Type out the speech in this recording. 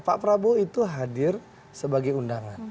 pak prabowo itu hadir sebagai undangan